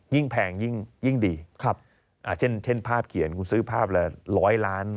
แพงยิ่งดีเช่นภาพเขียนคุณซื้อภาพละร้อยล้าน